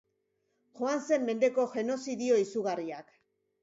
Joan zen mendeko genozidio izugarriak.